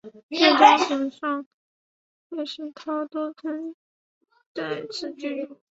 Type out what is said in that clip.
渐江和尚和石涛都曾在此居住。